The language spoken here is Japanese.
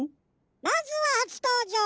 まずははつとうじょう！